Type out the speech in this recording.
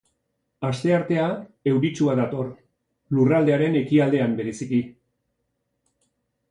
Asteartea euritsua dator, lurraldearen ekialdean bereziki.